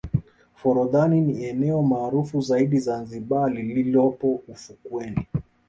forodhani ni eneo maarufu zaidi zanzibar lililopo ufukweni